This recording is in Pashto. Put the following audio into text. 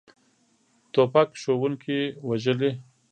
توپک ښوونکي وژلي.